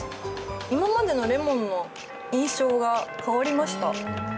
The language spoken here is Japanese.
今までのレモンの印象が変わりました。